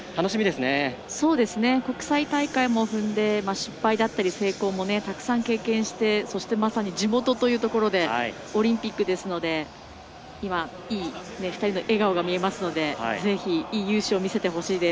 そうですね国際大会もふんで失敗だったり成功もたくさん経験してそして、まさに地元という所でオリンピックですので今、いい２人の笑顔が見えますのでぜひいい勇姿を見せてほしいです。